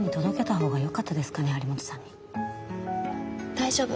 大丈夫。